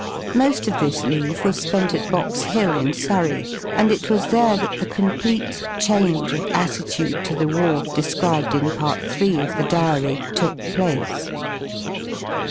L MoSl of this leave was spent at Box Hill in Surrey, and it / was there that the complete change of attitude to the war, ( described in Part III. of the Diary, took place.